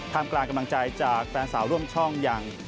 กลางกำลังใจจากแฟนสาวร่วมช่องอย่าง